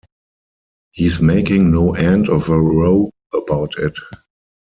He's making no end of a row about it.